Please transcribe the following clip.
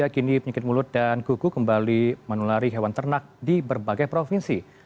kini penyakit mulut dan kuku kembali menulari hewan ternak di berbagai provinsi